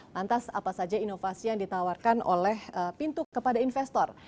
lantas apa saja inovasi yang ditawarkan oleh pintu kepada investor